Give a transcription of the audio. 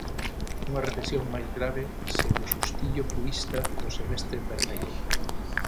Unha recesión máis grave, sen o xustillo purista do semestre en vermello.